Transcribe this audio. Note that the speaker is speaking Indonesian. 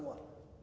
bapak lama sekalian